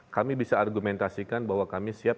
kami bisa argumentasikan bahwa kami siap